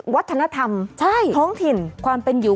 วัฒนธรรมท้องถิ่นความเป็นอยู่